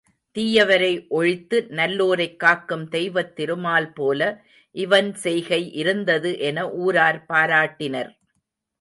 தீயவரை ஒழித்து நல்லோரைக் காக்கும் தெய்வத் திருமால் போல இவன் செய்கை இருந்தது என ஊரார் பாராட்டினர்.